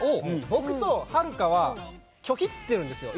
僕とはるかは拒否ってるんですよ。